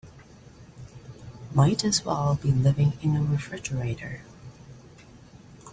Might as well be living in a refrigerator.